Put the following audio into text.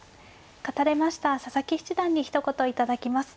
勝たれました佐々木七段にひと言頂きます。